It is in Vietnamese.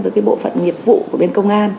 với bộ phận nghiệp vụ của bên công an